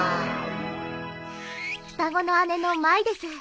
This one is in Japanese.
双子の姉のまいです。